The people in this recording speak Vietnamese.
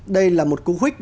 đây là một cú khuyết